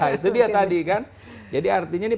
itu dia tadi kan jadi artinya nih